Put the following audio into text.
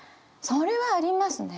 それはありますね。